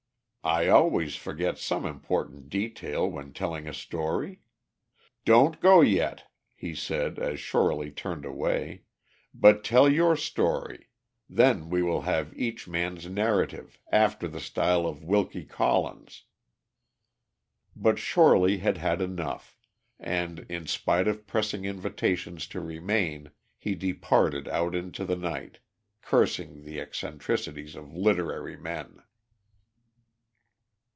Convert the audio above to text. I always forget some important detail when telling a story. Don't go yet," he said, as Shorely turned away; "but tell your story, then we will have each man's narrative, after the style of Wilkie Collins." But Shorely had had enough, and, in spite of pressing invitations to remain, he departed out into the night, cursing the eccentricities of literary men.